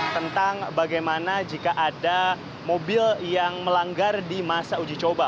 tentang bagaimana jika ada mobil yang melanggar di masa uji coba